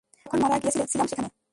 যখন মারা গিয়েছিলে ছিলাম সেখানে!